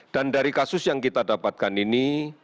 dan dari kasus yang kita dapatkan ini